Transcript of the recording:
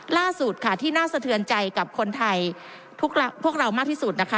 ล่าสุดค่ะที่น่าสะเทือนใจกับคนไทยทุกเรามากที่สุดนะคะ